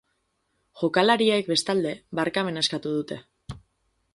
Jokalariek, bestalde, barkamena eskatu dute.